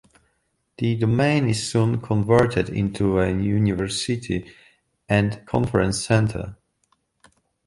The Domain is soon converted into a university and conference center.